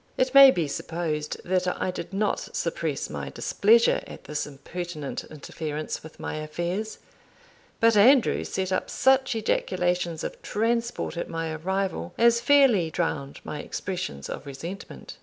It may be supposed that I did not suppress my displeasure at this impertinent interference with my affairs; but Andrew set up such ejaculations of transport at my arrival, as fairly drowned my expressions of resentment.